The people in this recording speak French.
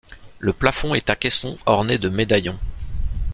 Le plafond est à caissons ornés de médaillons.